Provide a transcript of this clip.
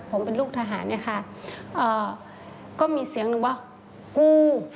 ผมเป็นลูกทหารเนี่ยค่ะก็มีเสียงหนึ่งว่ากู